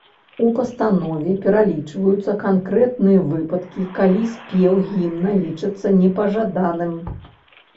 У пастанове пералічваюцца канкрэтныя выпадкі, калі спеў гімну лічыцца непажаданым.